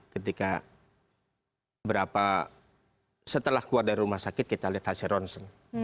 ketika setelah keluar dari rumah sakit kita lihat hasil ronsen